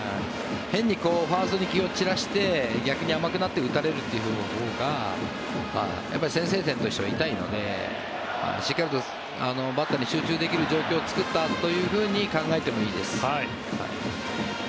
変にファーストに気を散らして逆に甘くなって打たれるほうが先制点としては痛いのでしっかりとバッターに集中できる状況を作ったというふうに考えてもいいです。